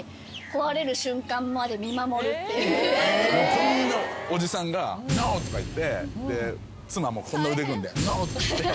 こんなおじさんが「Ｎｏ」とか言って妻もこんな腕組んで「Ｎｏ」とか言って。